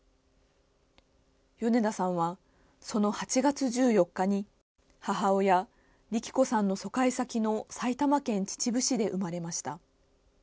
米田さんは、その８月１４日に母親・利起子さんの疎開先の埼玉県秩父市で生まれました。